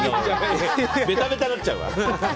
ベタベタになっちゃうわ！